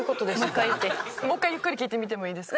もう一回ゆっくり聞いてみてもいいですか？